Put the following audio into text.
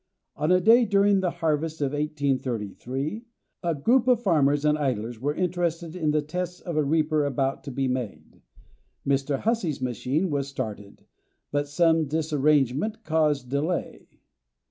On a day, during the harvest of 1833, a group of farmers and idlers were interested in the tests of a reaper about to be made. Mr. Hussey's machine was started, but some disarrangement caused delay.